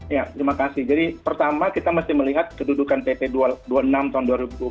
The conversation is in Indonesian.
ya terima kasih jadi pertama kita mesti melihat kedudukan pp dua puluh enam tahun dua ribu dua puluh